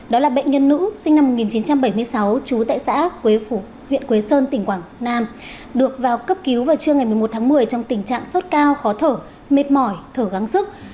đó là bệnh nhân nữ sinh năm một nghìn chín trăm bảy mươi sáu trú tại xã quế phủ huyện quế sơn tỉnh quảng nam được vào cấp cứu vào trưa ngày một mươi một tháng một mươi trong tình trạng sốt cao khó thở mệt mỏi thở gắng sức